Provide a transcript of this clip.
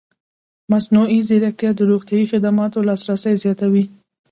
مصنوعي ځیرکتیا د روغتیايي خدماتو لاسرسی زیاتوي.